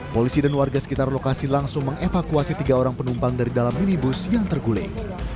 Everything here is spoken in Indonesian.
polisi dan warga sekitar lokasi langsung mengevakuasi tiga orang penumpang dari dalam minibus yang terguling